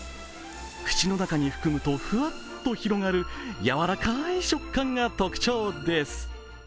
口の中に含むとふわっと広がる柔らかい食感が特徴です。